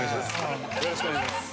よろしくお願いします。